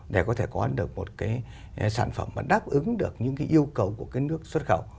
để có thể có được một cái sản phẩm mà đáp ứng được những cái yêu cầu của cái nước xuất khẩu